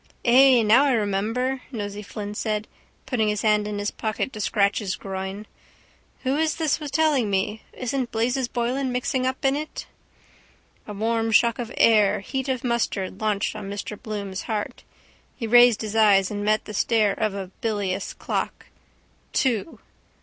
—Ay, now I remember, Nosey Flynn said, putting his hand in his pocket to scratch his groin. Who is this was telling me? Isn't Blazes Boylan mixed up in it? A warm shock of air heat of mustard hanched on Mr Bloom's heart. He raised his eyes and met the stare of a bilious clock. Two.